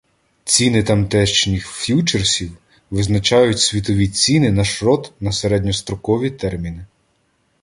Ціни тамтешніх ф'ючерсів визначають світові ціни на шрот на середньострокові терміни.